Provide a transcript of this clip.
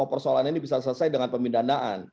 persoalan ini bisa selesai dengan pemindanaan